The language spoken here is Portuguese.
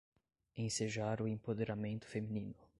Ensejar o empoderamento feminino